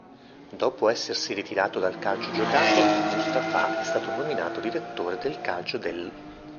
Dopo essersi ritirato dal calcio giocato, Mustafa è stato nominato direttore del calcio dell'.